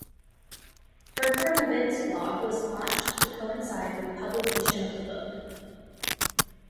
Her current events blog was launched to coincide with publication of the book.